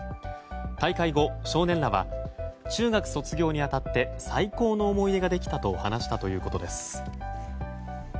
大会後、少年らは中学卒業に当たって最高の思い出ができたと話したということです。